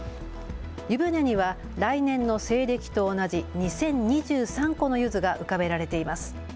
湯船には来年の西暦と同じ２０２３個のゆずが浮かべられています。